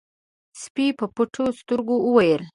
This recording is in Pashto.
سپي په پټو سترګو وويل: